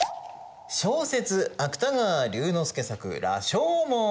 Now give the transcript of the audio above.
小説芥川龍之介作「羅生門」。